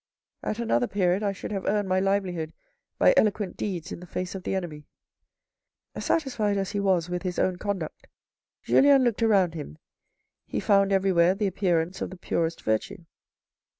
" At another period I should have earned my livelihood by eloquent deeds in the face of the enemy." Satisfied as he was with his own conduct, Julien looked around him. He found everywhere the appearance of the purest virtue.